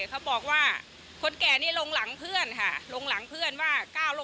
เขาบอกว่าคนแก่นี่ลงหลังเพื่อนค่ะลงหลังเพื่อนว่า